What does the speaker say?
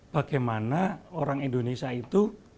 bagaimana orang indonesia itu